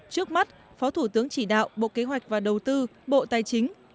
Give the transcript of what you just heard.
trước mắt phó thủ tướng chỉ đạo bộ kế hoạch và đầu tư bộ tài chính